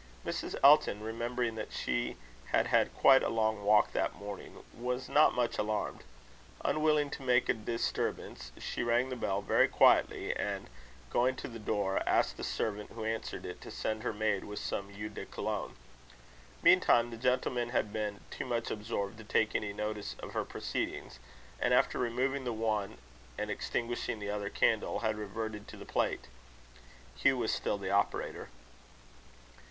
Mrs. Elton, remembering that she had had quite a long walk that morning, was not much alarmed. Unwilling to make a disturbance, she rang the bell very quietly, and, going to the door, asked the servant who answered it, to send her maid with some eau de cologne. Meantime, the gentlemen had been too much absorbed to take any notice of her proceedings, and, after removing the one and extinguishing the other candle, had reverted to the plate. Hugh was still the operator.